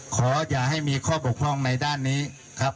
ขออย่าให้มีข้อบกพร่องในด้านนี้ครับ